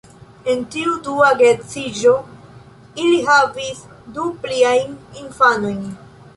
En tiu dua geedziĝo, ili havis du pliajn infanojn.